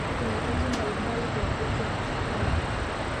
kuna vyanzo mbalimbali vya ugonjwa wa kisukari